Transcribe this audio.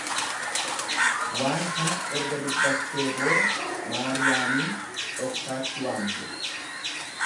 Waan kana erga dubbattee booda, Maariyaamiin dhoksaatti waamte.